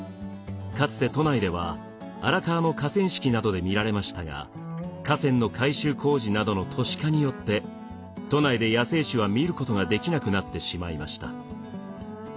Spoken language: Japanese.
かつて都内では荒川の河川敷などで見られましたが河川の改修工事などの都市化によって都内で野生種は見ることができなくなってしまいました。